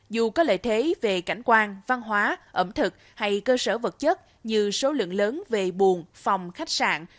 dù có lợi thế về cảnh quan văn hóa ẩm thực hay cơ sở vật chất như số lượng lớn về buồn phòng khách sạn